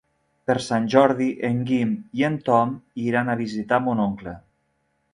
Per Sant Jordi en Guim i en Tom iran a visitar mon oncle.